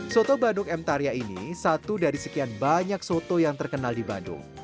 soto bandung m tarya ini satu dari sekian banyak soto yang terkenal di bandung